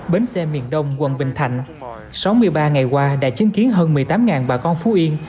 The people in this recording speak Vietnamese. bến xe miền đông quận bình thạnh sáu mươi ba ngày qua đã chứng kiến hơn một mươi tám bà con phú yên